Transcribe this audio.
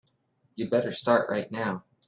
You'd better start right now.